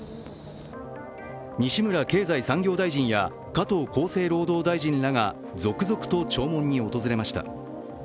西村経済産業大臣や加藤厚労大臣らが続々と弔問に訪れました。